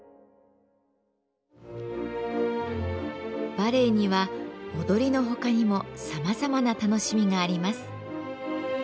バレエには踊りのほかにもさまざまな楽しみがあります。